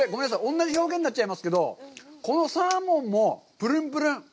同じ表現になっちゃいますけど、このサーモンも、ぷるんぷるん。